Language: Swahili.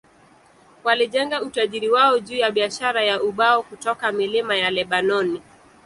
Walijenga utajiri wao juu ya biashara ya ubao kutoka milima ya Lebanoni.